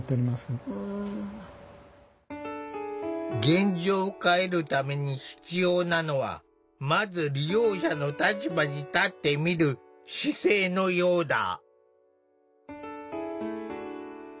現状を変えるために必要なのはまず利用者の立場に立ってみる姿勢のようだ。